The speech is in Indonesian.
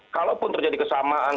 kalaupun terjadi kesamaan